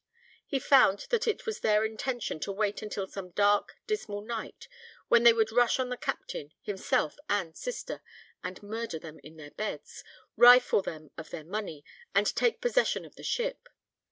He found that it was their intention to wait until some dark, dismal night, when they would rush on the captain, himself and sister, and murder them in their beds, rifle them of their money, and take possession of the ship.